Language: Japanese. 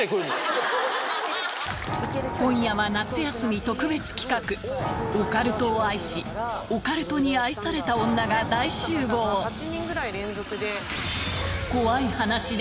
今夜は夏休み特別企画オカルトを愛しオカルトに愛された女が大集合確定しました。